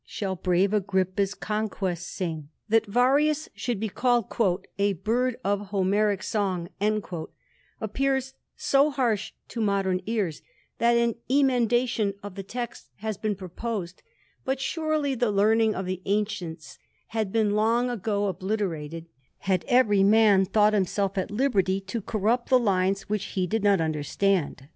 Shall brave Agrippa's conquests sing. » That Varius should be called " A bird of Homeric so appears so harsh to modern ears, that an emendation ol text has been proposed : but surely the learning of ancients had been long ago obliterated, had every thought himself at liberty to corrupt the lines which he not understand.